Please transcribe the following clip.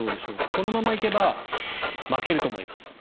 このままいけば負けると思います。